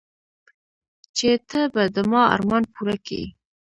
چې ته به د ما ارمان پوره كيې.